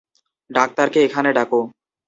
ডাক্তারকে এখানে ডাকো।